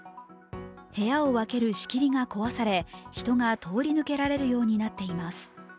部屋を分ける仕切りが壊され人が通り抜けられるようになっています。